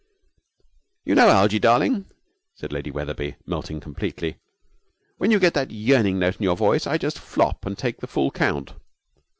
'You know, Algie, darling,' said Lady Wetherby, melting completely, 'when you get that yearning note in your voice I just flop and take the full count.'